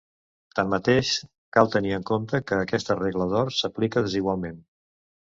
Tanmateix, cal tenir en compte que aquesta regla d'or s'aplica desigualment.